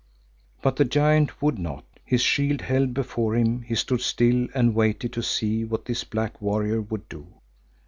But the giant would not, his shield held before him, he stood still and waited to see what this black warrior would do.